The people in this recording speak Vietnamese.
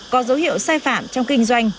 có dấu hiệu sai phạm trong kinh doanh